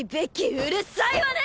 うるさいわね！